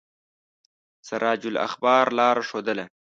سراج الاخبار لاره ښودله.